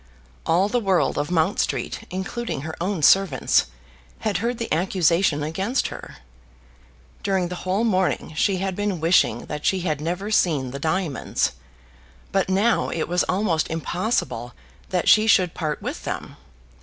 All the world of Mount Street, including her own servants, had heard the accusation against her. During the whole morning she had been wishing that she had never seen the diamonds; but now it was almost impossible that she should part with them.